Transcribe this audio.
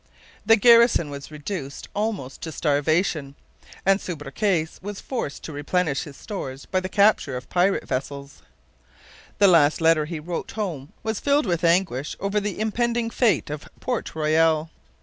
The garrison was reduced almost to starvation; and Subercase was forced to replenish his stores by the capture of pirate vessels. The last letter he wrote home was filled with anguish over the impending fate of Port Royal.